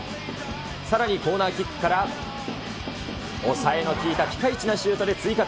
さらにコーナーキックから抑えの利いたピカイチなシュートで追加点。